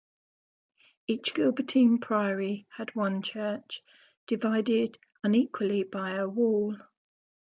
Each Gilbertine priory had one church, divided unequally by a wall.